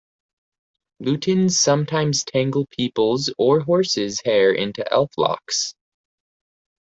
Lutins sometimes tangle people's or horses' hair into elf-locks.